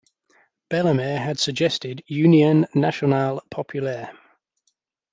Bellemare had suggested "Union Nationale Populaire".